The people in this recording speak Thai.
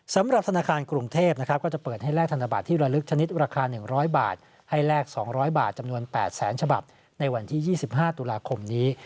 สำหรับธนาคารกรุงเทพก็จะเปิดให้แลกธนบัตรที่ระลึกชนิดราคา๑๐๐บาทให้แลก๒๐๐บาทจำนวน๘แสนฉบับในวันที่๒๕ตุลาคมนี้